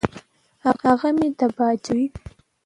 هغه مي د باجه زوی دی .